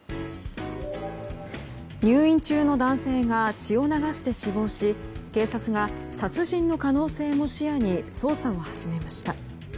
入院中の男性が血を流して死亡し警察が殺人の可能性も視野に捜査を始めました。